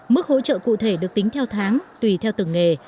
mức hỗ trợ cụ thể được tính theo tháng tùy theo từng nghề